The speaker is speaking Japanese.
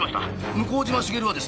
向島茂はですね」